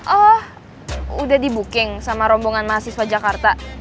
oh udah di booking sama rombongan mahasiswa jakarta